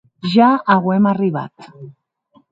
Ja auem arribat.